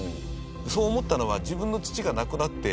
そう思ったのは自分の父が亡くなって。